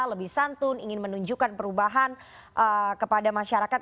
lebih santun ingin menunjukkan perubahan kepada masyarakat